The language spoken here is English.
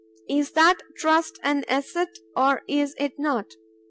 Is that trust an asset or is it not?